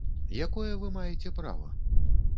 Якое вы маеце права?